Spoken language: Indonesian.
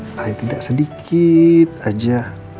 paling tidak sedikit aja